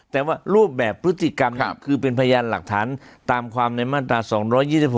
แต่ว่ารูปแบบพฤติกรรมคือเป็นพยานหลักฐานตามความในมาตรา๒๒๖